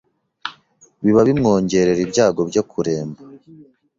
biba bimwongerera ibyago byo kuremba